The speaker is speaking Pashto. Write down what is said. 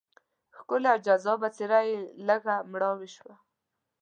ښکلې او جذابه څېره یې لږه مړاوې شوه.